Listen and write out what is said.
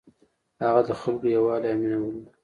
هغه د خلکو یووالی او مینه ولیده.